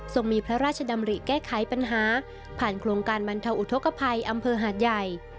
มีพระราชดำริแก้ไขปัญหาผ่านโครงการบรรเทาอุทธกภัยอำเภอหาดใหญ่